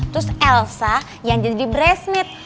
terus elsa yang jadi breastmate